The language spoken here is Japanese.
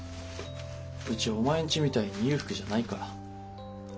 うちお前んちみたいに裕福じゃないから。